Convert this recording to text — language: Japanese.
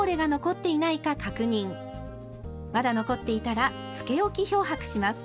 まだ残っていたらつけ置き漂白します。